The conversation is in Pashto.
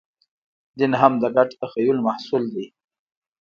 دین هم د ګډ تخیل محصول دی.